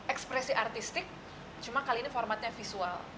ekspresi artistik cuma kali ini formatnya visual